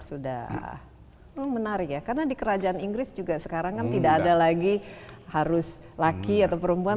sudah menarik ya karena di kerajaan inggris juga sekarang kan tidak ada lagi harus laki atau perempuan